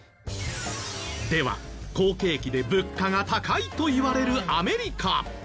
では好景気で物価が高いといわれるアメリカ。